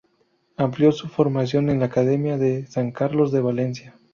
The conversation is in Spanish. Amplió su formación en la Academia de San Carlos de Valencia.